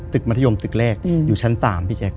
มัธยมตึกแรกอยู่ชั้น๓พี่แจ๊ค